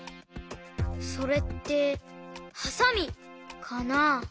それってはさみかな？